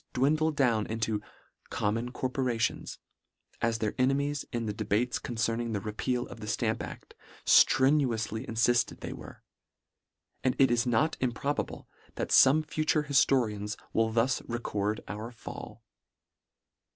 dwindle down into " common corporations," as their e nemies in the debates concerning the repeal of the Stamp aft, ffrenuously iniifted they were : and it is not improbable, that fome future hiftorians will thus record our fall.